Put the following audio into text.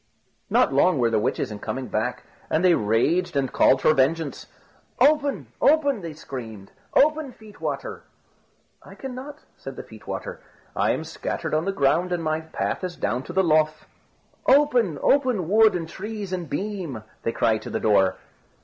Not long were the witches in coming back, and they raged and called for vengeance. "Open! open!" they screamed; "open, feet water!" "I cannot," said the feet water; "I am scattered on the ground, and my path is down to the Lough." "Open, open, wood and trees and beam!" they cried to the door.